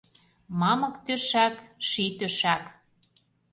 Мамык тӧшак, ший тӧшак.